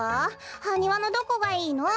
ハニワのどこがいいの？